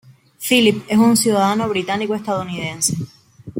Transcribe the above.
Philip es un ciudadano británico-estadounidense.